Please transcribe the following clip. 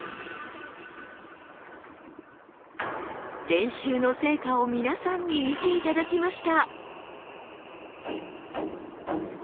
練習の成果を皆さんに見て頂きました。